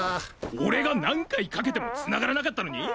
俺が何回掛けても繋がらなかったのに！